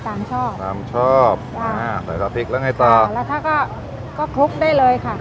ชอบตามชอบอ่าใส่ซอสพริกแล้วไงต่อแล้วถ้าก็ก็คลุกได้เลยค่ะ